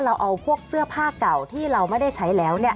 เราเอาพวกเสื้อผ้าเก่าที่เราไม่ได้ใช้แล้ว